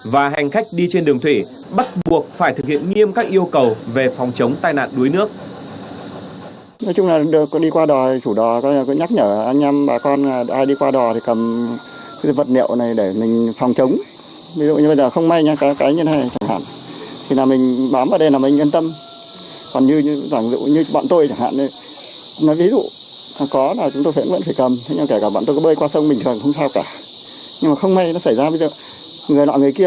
và hành khách đi trên đường thủy bắt buộc phải thực hiện nghiêm các yêu cầu về phòng chống tai nạn đuối nước